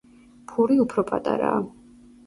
ფური უფრო პატარაა.